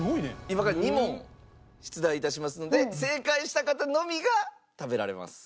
今から２問出題いたしますので正解した方のみが食べられます。